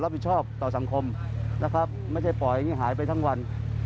ผิดต่อสังคมนะครับไม่ใช่ปล่อยอย่างนี้หายไปทั้งวัน